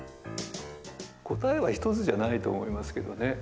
答えは１つじゃないと思いますけどね。